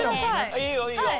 いいよいいよ。